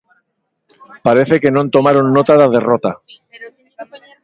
Parece que non tomaron nota da derrota.